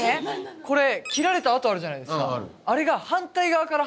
これ切られた痕あるじゃないですか